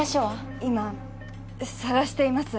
今探しています